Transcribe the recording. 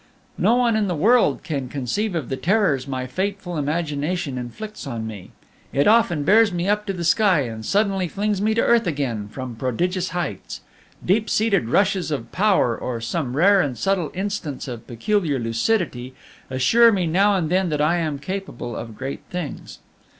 No one in the world can conceive of the terrors my fateful imagination inflicts on me. It often bears me up to the sky, and suddenly flings me to earth again from prodigious heights. Deep seated rushes of power, or some rare and subtle instance of peculiar lucidity, assure me now and then that I am capable of great things.